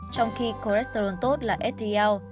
trong khi cholesterol tốt là ldl